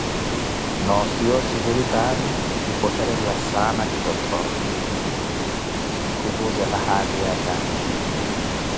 Noofiya oshiripitaali, kipwekereliwa saana ti tottoro, khukuuzela haliyake.